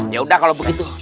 ya udah kalau begitu